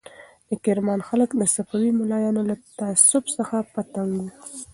د کرمان خلک د صفوي ملایانو له تعصب څخه په تنګ وو.